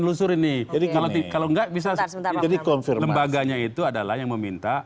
lembaganya itu adalah yang meminta